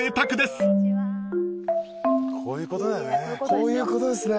こういうことだよね。